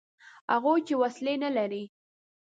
هغوی چې وسلې نه لري.